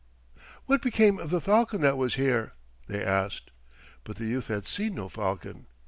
"What became of the falcon that was here?" they asked. But the youth had seen no falcon.